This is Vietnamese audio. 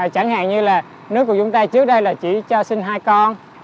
chẳng hạn như là nước của chúng ta trước đây là chỉ cho sinh hai con